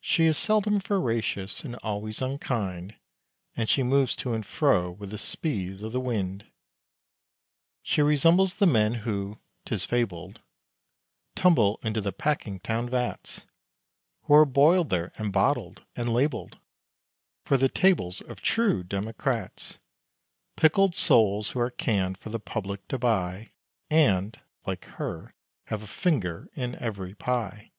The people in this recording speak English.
She is seldom veracious, and always unkind, And she moves to and fro with the speed of the wind. She resembles the men who ('tis fabled) Tumble into the Packingtown vats, Who are boiled there, and bottled, and labelled For the tables of true democrats: Pickled souls who are canned for the public to buy, And (like her) have a finger in every pie!